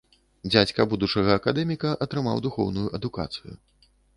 Дзядзька будучага акадэміка атрымаў духоўную адукацыю.